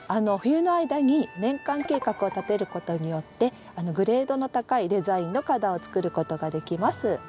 冬の間に年間計画を立てることによってグレードの高いデザインの花壇をつくることができます。